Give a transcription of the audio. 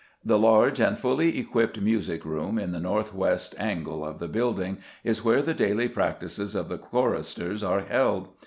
The large and fully equipped music room at the north west angle of the building is where the daily practices of the choristers are held.